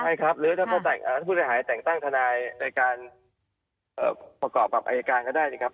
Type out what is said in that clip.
ใช่ครับหรือถ้าผู้เสียหายแต่งตั้งทนายในการประกอบกับอายการก็ได้นะครับ